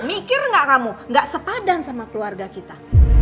mikir nggak kamu gak sepadan sama keluarga kita